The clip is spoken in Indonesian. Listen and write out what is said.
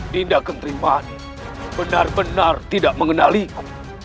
tindakan terima ini benar benar tidak mengenaliku